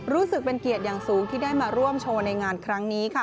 รู้สึกเป็นเกียรติอย่างสูงที่ได้มาร่วมโชว์ในงานครั้งนี้ค่ะ